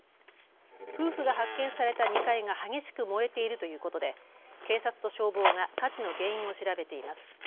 夫婦が発見された２階が激しく燃えているということで警察と消防が火事の原因を調べています。